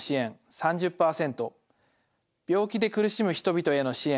３０％「病気で苦しむ人々への支援」